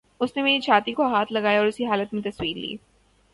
اس نے میری چھاتی کو ہاتھ لگایا اور اسی حالت میں تصویر لی